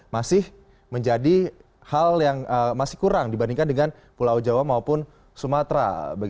masih menjadi hal yang masih kurang dibandingkan dengan pulau jawa maupun sumatera